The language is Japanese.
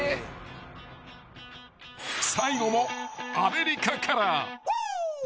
［最後もアメリカから］